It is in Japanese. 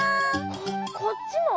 ここっちも？